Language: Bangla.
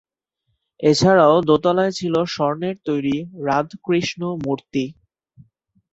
এছাড়াও দোতালায় ছিল স্বর্ণের তৈরি রাধ-কৃষ্ণ মূর্তি।